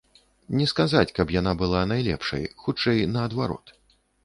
Не сказаць, каб яна была найлепшай, хутчэй наадварот.